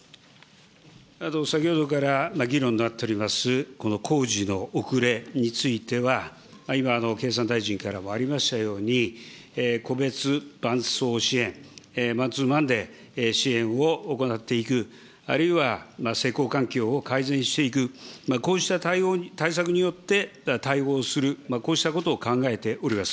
先ほどから議論になっております、この工事の遅れについては、今、経産大臣からもありましたように、個別ばんそう支援、マンツーマンで支援を行っていく、あるいは施工環境を改善していく、こうした対策によって対応する、こうしたことを考えております。